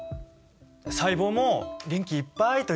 細胞も元気いっぱいというか。